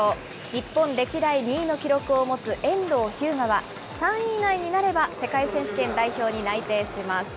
日本歴代２位の記録を持つ遠藤日向は、３位以内になれば世界選手権代表に内定します。